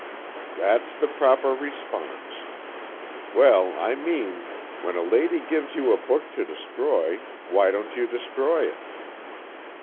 "That's the proper response. Well, I mean, when a lady gives you a book to destroy, why don't you destroy it?"